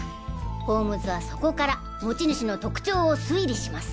ホームズはそこから持ち主の特徴を推理します。